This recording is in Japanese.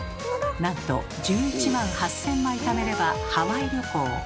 なんと１１万８，０００枚ためればハワイ旅行。